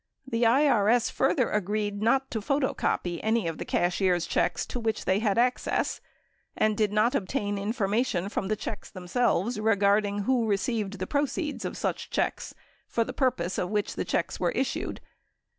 The IRS further agreed not to photocopy any of the cashier's checks to which they had access and did not obtain information from the checks themselves regarding who received the proceeds of such checks for the purpose for which the checks were issued.